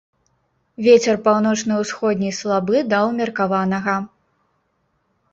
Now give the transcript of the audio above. Вецер паўночна-ўсходні слабы да ўмеркаванага.